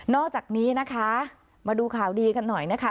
อกจากนี้นะคะมาดูข่าวดีกันหน่อยนะคะ